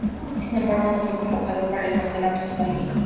Sin embargo no fue convocado para el Campeonato Sudamericano.